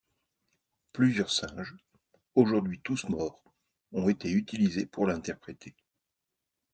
Plusieurs singes, aujourd'hui tous morts, ont été utilisés pour l'interpréter.